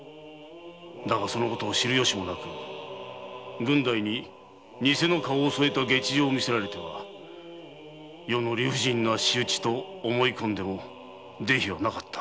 だがその事を知る由もなく郡代にニセの花押を添えた下知状を見せられては余の理不尽な仕打ちと思い込んでも是非はなかった。